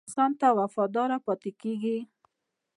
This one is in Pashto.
سپي انسان ته وفاداره پاتې کېږي.